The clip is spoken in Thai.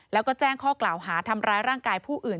แล้วก็แจ้งข้อกล่าวหาทำร้ายร่างกายผู้อื่น